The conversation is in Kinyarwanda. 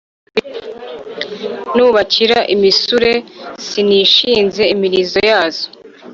Nubakira imisure sinishinze imilizo yazo.